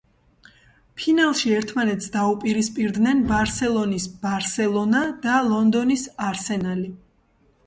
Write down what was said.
ფინალში ერთმანეთს დაუპირისპირდნენ ბარსელონის ბარსელონა და ლონდონის არსენალი.